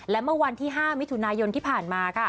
และเมื่อวันที่๕มิถุนายนที่ผ่านมา